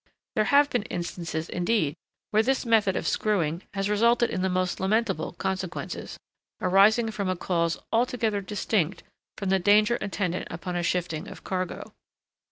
There have been instances, indeed, where this method of screwing has resulted in the most lamentable consequences, arising from a cause altogether distinct from the danger attendant upon a shifting of cargo.